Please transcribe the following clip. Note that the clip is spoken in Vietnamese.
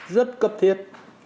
rất cập thiết